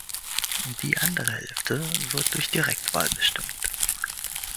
Die andere Hälfte wird durch Direktwahl bestimmt.